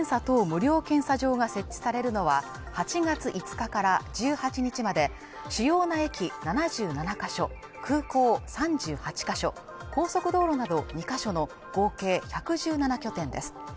無料検査場が設置されるのは８月５日から１８日まで主要な駅７７か所、空港３８か所高速道路など２か所の合計１１７拠点です